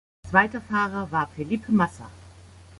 Zweiter Fahrer war Felipe Massa.